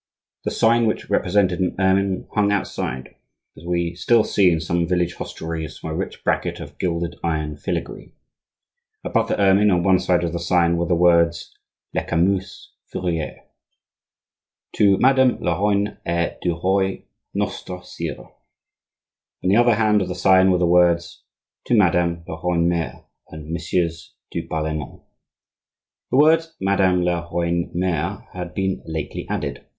The sign, which represented an ermine, hung outside, as we still see in some village hostelries, from a rich bracket of gilded iron filagree. Above the ermine, on one side of the sign, were the words:— LECAMVS FURRIER TO MADAME LA ROYNE ET DU ROY NOSTRE SIRE. On the other side of the sign were the words:— TO MADAME LA ROYNE MERE AND MESSIEURS DV PARLEMENT. The words "Madame la Royne mere" had been lately added.